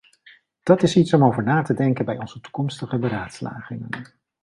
Dat is iets om over na te denken bij onze toekomstige beraadslagingen.